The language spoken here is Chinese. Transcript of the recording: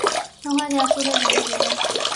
漫画家苏菲准备结婚。